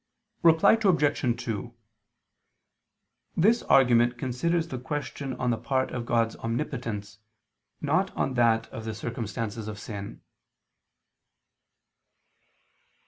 "]. Reply Obj. 2: This argument considers the question on the part of God's omnipotence, not on that of the circumstances of sin.